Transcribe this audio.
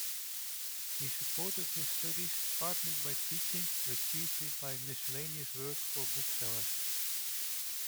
He supported his studies partly by teaching but chiefly by miscellaneous work for booksellers.